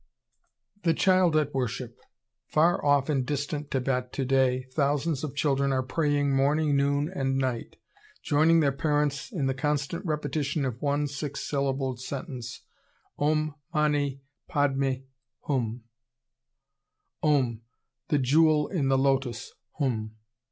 ] The Child at Worship! Far off in distant Thibet today thousands of children are praying morning, noon, and night, joining their parents in the constant repetition of one six syllabled sentence, "Om mani padme Hum" ("Om! the Jewel in the Lotus! Hum"!)